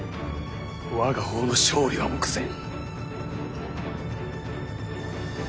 我が方の勝利は目前。